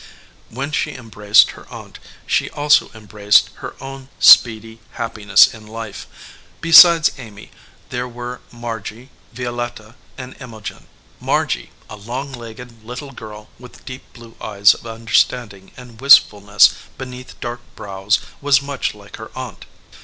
When she em braced her aunt she also embraced her own speedy happiness in life. Besides Amy, there were Margy, Violetta, and Imogen. Margy, a long legged little girl with deep blue eyes of understanding and wist fulness beneath dark brows, was much like her aunt.